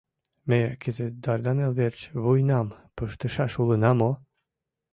Ме кызыт Дарданел верч вуйнам пыштышаш улына мо?